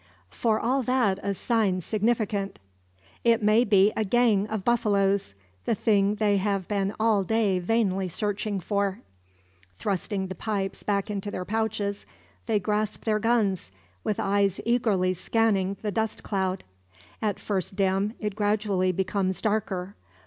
For all that a sign significant. It may be a "gang" of buffaloes, the thing they have been all day vainly searching for. Thrusting the pipes back into their pouches, they grasp their guns, with eyes eagerly scanning the dust cloud. At first dim, it gradually becomes darker.